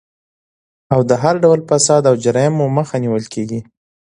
او د هر ډول فساد او جرايمو مخه نيول کيږي